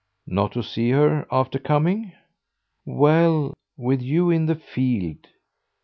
"Not to see her after coming?" "Well, with you in the field